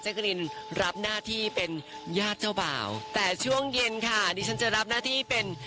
กรินรับหน้าที่เป็นญาติเจ้าบ่าวแต่ช่วงเย็นค่ะดิฉันจะรับหน้าที่เป็น